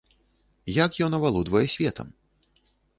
Як ён авалодвае светам?